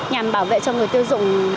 nhằm bảo vệ cho người tiêu dụng